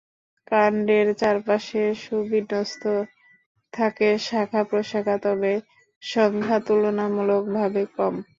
কাণ্ডের চারপাশে সুবিন্যস্ত থাকে শাখা-প্রশাখা, তবে সংখ্যা তুলনামূলকভাবে কম।